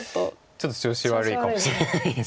ちょっと調子悪いかもしれないです。